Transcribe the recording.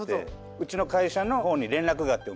うちの会社の方に連絡があってお店から。